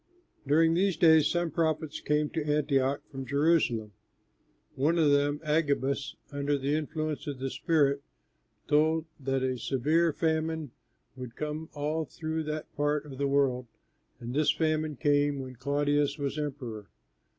During these days some prophets came to Antioch from Jerusalem. One of them, Agabus, under the influence of the Spirit, told that a severe famine would come all through that part of the world, and this famine came when Claudius was emperor.